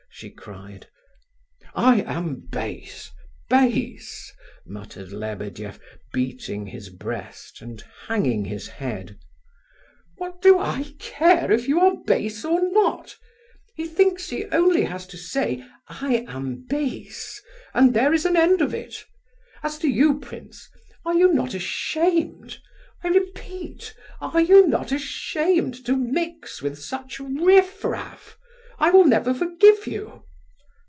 she cried. "I am base—base!" muttered Lebedeff, beating his breast, and hanging his head. "What do I care if you are base or not? He thinks he has only to say, 'I am base,' and there is an end of it. As to you, prince, are you not ashamed?—I repeat, are you not ashamed, to mix with such riff raff? I will never forgive you!"